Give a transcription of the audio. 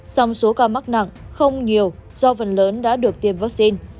song số ca mắc nặng không nhiều do phần lớn đã được tiêm vaccine